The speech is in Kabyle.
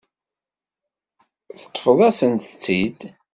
Teṭṭfeḍ-asent-tt-id.